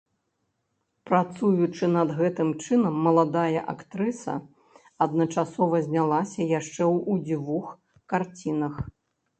Працуючы над гэтым чынам, маладая актрыса адначасова знялася яшчэ ў двух карцінах.